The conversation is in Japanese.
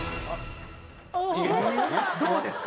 どうですか？